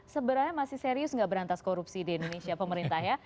sebenarnya masih serius nggak berantas korupsi di indonesia pemerintah ya